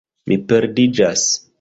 Mi perdiĝas.